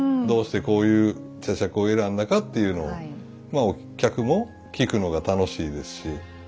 どうしてこういう茶杓を選んだかっていうのを客も聞くのが楽しいですし。